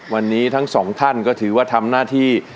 วันนี้ทั้งสองท่านก็ถือว่าทำหน้าที่